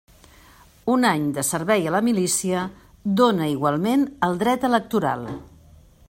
Un any de servei en la milícia dóna igualment el dret electoral.